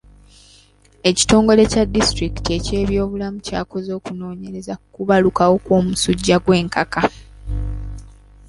Ekitongole kya disitulikiti eky'ebyobulamu kyakoze okunoonyereza ku kubalukawo kw'omusujja gw'enkaka.